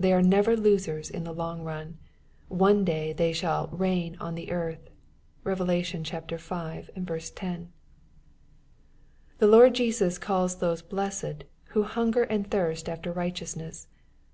They are never losers in the long run. One day they shall " reign on the earth." (Bev. v. 10.) The Lord Jesus calls those blessed, who hunger and thirst after righteousness.